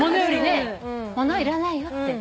物いらないよって。